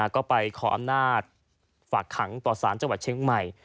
ก็ไปขออำนาจฝากขังต่อสารจังหวัดเชียงใหม่